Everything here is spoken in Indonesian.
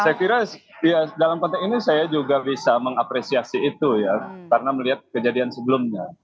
saya kira dalam konteks ini saya juga bisa mengapresiasi itu ya karena melihat kejadian sebelumnya